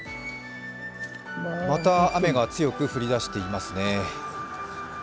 また雨が強く降りだしていますね。